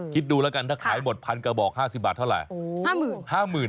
คิดดูแล้วกันถ้าขายหมด๑๐๐กระบอก๕๐บาทเท่าไหร่